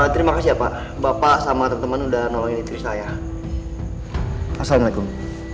terima kasih ya pak bapak sama teman teman udah nolongin istri saya assalamualaikum